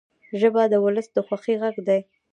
ژبه د ولس د خوښۍ غږ دی